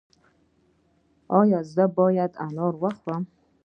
ایا زه باید انار وخورم؟